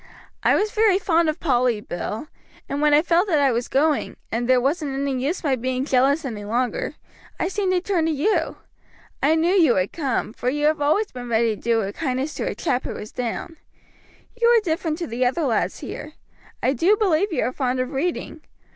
I was very fond of Polly, Bill, and when I felt that I was going, and there wasn't any use my being jealous any longer, I seemed to turn to you. I knew you would come, for you have been always ready to do a kindness to a chap who was down. You are different to the other lads here. I do believe you are fond of reading.